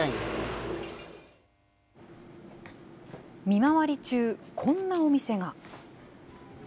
見回り中、こんなお店が。